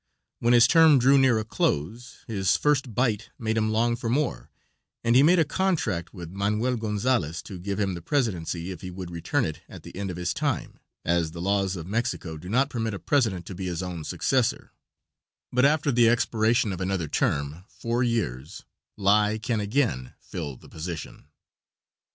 When his term drew near a close, his first bite made him long for more, and he made a contract with Manuel Gonzales to give him the presidency if he would return it at the end of his time, as the laws of Mexico do not permit a president to be his own successor, but after the expiration of another term (four years) lie can again fill the position.